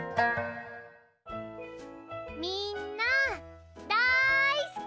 みんなだいすき！